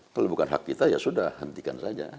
kalau bukan hak kita ya sudah hentikan saja